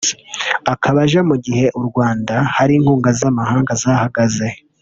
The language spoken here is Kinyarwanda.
akaba aje mu gihe u Rwanda hari inkunga z’amahanga zahagaze